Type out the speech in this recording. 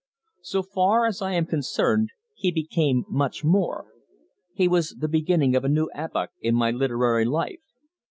So far as I am concerned he became much more. He was the beginning of a new epoch in my literary life.